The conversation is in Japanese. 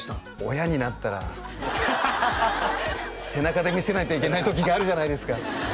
親になったら背中で見せないといけない時があるじゃないですか